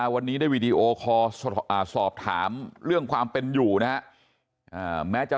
วีดีโอขอสอบถามเรื่องความเป็นอยู่นะฮะ